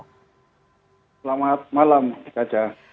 selamat malam kak cah